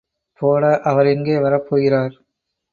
போடா, அவர் எங்கே வரப்போகிறார்?